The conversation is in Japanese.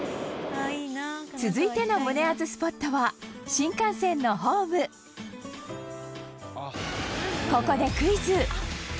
続いての胸アツスポットは新幹線のホームここでクイズ！